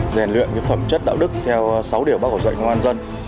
rèn luyện cái phẩm chất đạo đức theo sáu điều bác có dạy cho an dân